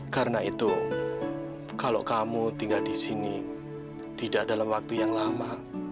karena itu kalau kamu tinggal di sini tidak dalam waktu yang lama